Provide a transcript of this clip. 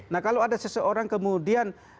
nah kalau ada seseorang kemudian